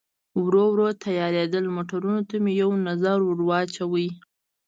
ورو ورو تیارېدل، موټرونو ته مې یو نظر ور واچاوه.